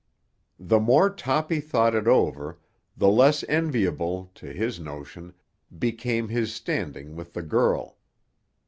The more Toppy thought it over the less enviable, to his notion, became his standing with the girl.